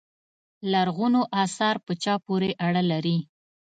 لرغونو اثار په چا پورې اړه لري.